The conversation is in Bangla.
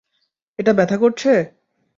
এটা ব্যাথা করছে?